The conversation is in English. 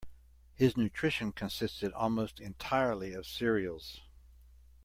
His nutrition consisted almost entirely of cereals.